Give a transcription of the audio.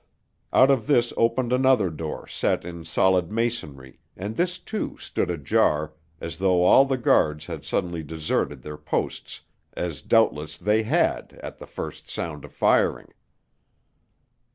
Out of this opened another door set in solid masonry, and this, too, stood ajar as though all the guards had suddenly deserted their posts, as doubtless they had at the first sound of firing.